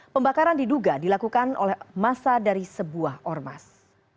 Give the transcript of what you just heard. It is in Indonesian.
pembakaran diduga dilakukan oleh masa dari sebuah ormas